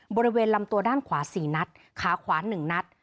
บริเวณลำตัวด้านขวา๔นัดขาขวา๑นัด